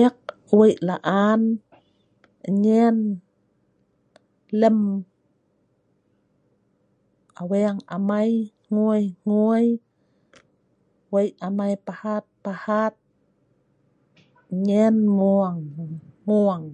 Ek wei laan nyen lem aweng amai hngui--hngui wei amai pahat-pahat nyen mung--mung